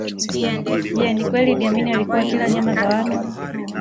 Je ni kweli Iddi Amini alikuwa akila nyama za watu